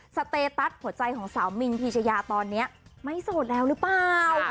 สเตตัสหัวใจของสาวมินพีชยาตอนนี้ไม่โสดแล้วหรือเปล่า